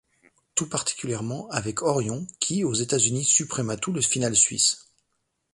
Tout particulièrement avec Orion qui aux États-Unis supprima tout le final suisse.